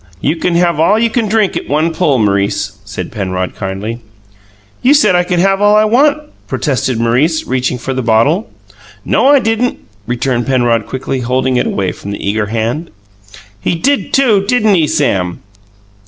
"You can have all you can drink at one pull, M'rice," said Penrod kindly. "You said I could have all I want!" protested Maurice, reaching for the bottle. "No, I didn't," returned Penrod quickly, holding it away from the eager hand. "He did, too! Didn't he, Sam?"